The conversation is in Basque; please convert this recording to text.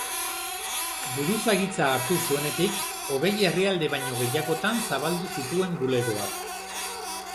Buruzagitza hartu zuenetik, hogei herrialde baino gehiagotan zabaldu zituen bulegoak.